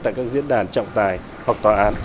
tại các diễn đàn trọng tài hoặc tòa án